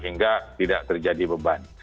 sehingga tidak terjadi beban